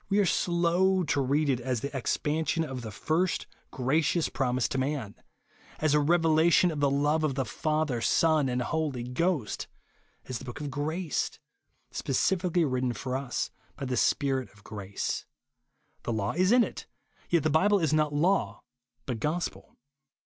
We are slow to read it as the expan sion of the Ri'st gracious promise to man ;.,as a revelation of the love of the Father, Son and Holy Ghost ; as the book of grace, specially written for us by the Spirit of grace. The law is in it, yet the Bible is not law, but gospel.